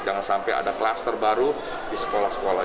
jangan sampai ada klaster baru di sekolah sekolah